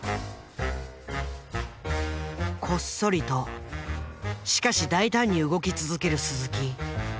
こっそりとしかし大胆に動き続ける鈴木。